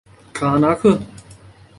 卡那刻。